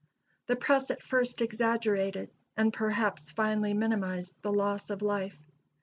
The press at first exaggerated, and perhaps finally minimized the loss of life.